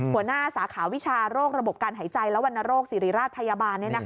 สาขาวิชาโรคระบบการหายใจและวรรณโรคสิริราชพยาบาล